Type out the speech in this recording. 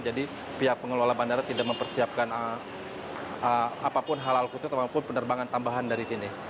jadi pihak pengelola bandara tidak mempersiapkan apapun halal khusus apapun penerbangan tambahan dari sini